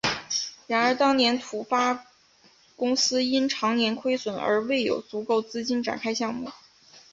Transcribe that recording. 然而当年土发公司因长年亏损而未有足够资金展开项目。